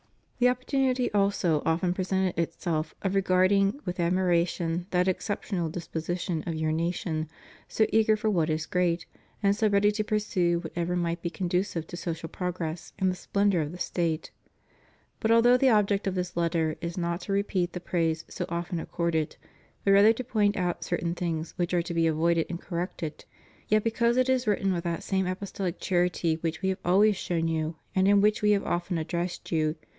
The opportunity also often presented itself of regarding with admiration that exceptional disposition of your nation, so eager for what is great, and so ready to pursue whatever might be conducive to social progress and the splendor of the State. But although the object of this letter is not to repeat the praise so often accorded, but rather to point out certain things which are to be avoided and corrected, yet because it is written with that same apostolic charity which We have always shown you, and in which We have often addressed you.